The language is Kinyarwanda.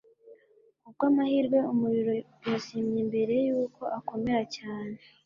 kubwamahirwe, umuriro yazimye mbere yuko ukomera cyane